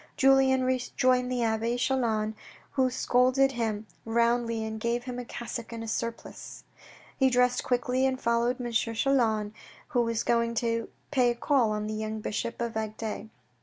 Julien rejoined the abbe Chelan, who scolded him roundly and gave him a cassock and a surplice. He dressed quickly and followed M. Chelan, who was going to pay a call on the young bishop of Agde.